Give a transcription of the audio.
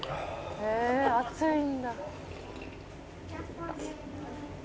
「へえ熱いんだ」